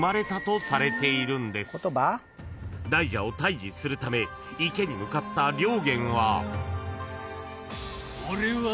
［大蛇を退治するため池に向かった良源は］